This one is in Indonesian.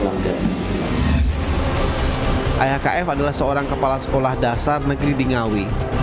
seluruh pendidikan di kf adalah seorang kepala sekolah dasar negeri di ngawi